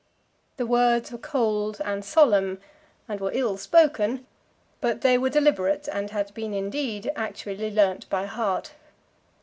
The words were cold and solemn, and were ill spoken; but they were deliberate, and had been indeed actually learned by heart.